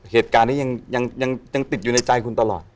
เหตุการณ์นี้ยังติดอยู่ในใจคุณตลอด